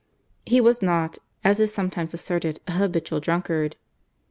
He was not, as is sometimes asserted, a habitual drunkard.